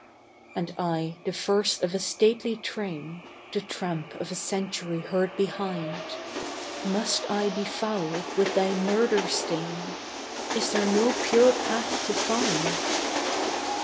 " And I, the first of a stately train, The tramp of a century heard behind, Must I be fouled with thy murder stain? Is there no pure path to find?